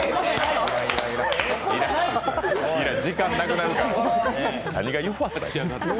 要らん、時間なくなるから。